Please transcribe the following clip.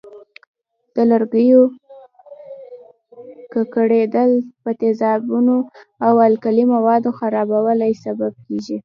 د لرګیو ککړېدل په تیزابونو او القلي موادو خرابوالي سبب کېږي.